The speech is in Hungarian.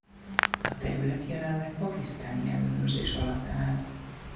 A terület jelenleg pakisztáni ellenőrzés alatt áll.